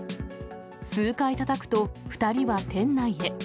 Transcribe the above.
数回たたくと２人は店内へ。